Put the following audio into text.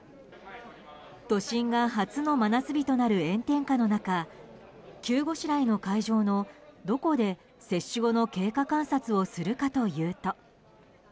都心が初の真夏日となる炎天下の中急ごしらえの会場のどこで接種後の経過観察をするかというと。